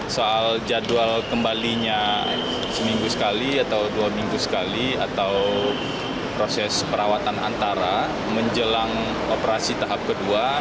soal jadwal kembalinya seminggu sekali atau dua minggu sekali atau proses perawatan antara menjelang operasi tahap kedua